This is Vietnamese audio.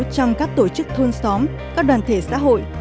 trong các tổ chức thôn xóm các đoàn thể xã hội